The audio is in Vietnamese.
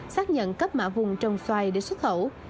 xác nhận cấp mã vùng trồng xoài để xuất khẩu